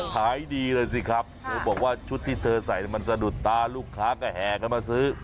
ขายดีเลยสิครับเธอบอกว่าชุดที่เธอใส่มันสะดุดตาลูกค้าก็แห่กันมาซื้อ